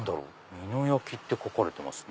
「美濃焼」って書かれてますね。